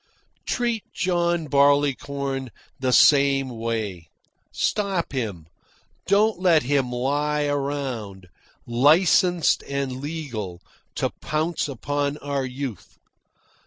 Treat John Barleycorn the same way. Stop him. Don't let him lie around, licensed and legal, to pounce upon our youth.